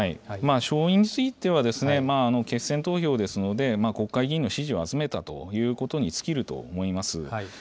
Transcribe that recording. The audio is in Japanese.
勝因については、決選投票ですので、国会議員の支持を集めたということに尽きると思います。